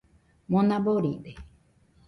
Mona boride